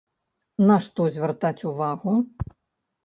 На што звяртаць увагу?